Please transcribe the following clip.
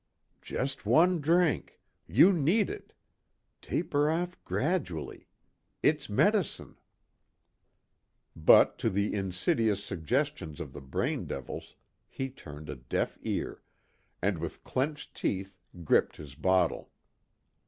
"Just one drink." "You need it." "Taper off gradually." "It's medicine." But to the insidious suggestions of the brain devils he turned a deaf ear, and with clenched teeth, gripped his bottle.